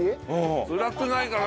つらくないかな？